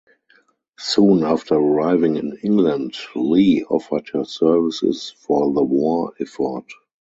Soon after arriving in England, Leigh offered her services for the war effort.